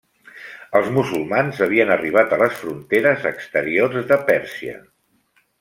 Els musulmans havien arribat a les fronteres exteriors de Pèrsia.